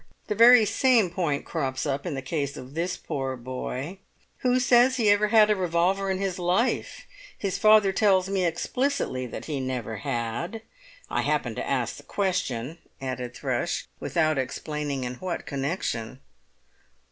The very same point crops up in the case of this poor boy. Who says he ever had a revolver in his life? His father tells me explicitly that he never had; I happened to ask the question," added Thrush, without explaining in what connection.